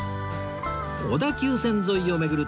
小田急線沿いを巡る旅